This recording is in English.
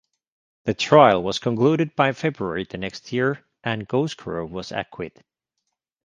The trial was concluded by February the next year, and Cosgrove was acquitted.